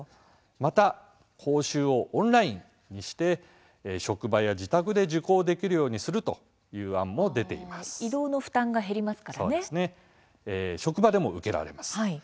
また講習をオンラインにして職場や自宅で受講できるようにする移動の負担が職場でも受けられます。